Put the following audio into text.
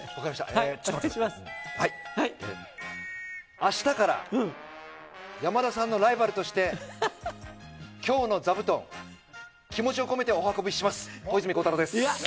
あしたから山田さんのライバルとして、きょうの座布団、気持ちを込めてお運びします、小泉孝太郎です。